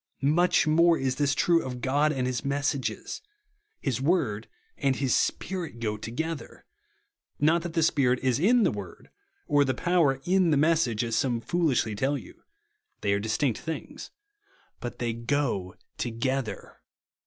Much more is this true of God and his messages. His word and his Spirit go together. Not that the Spirit is in the word, or the power in the message, as some foolishly tell you. They are distinct things ; but they go together.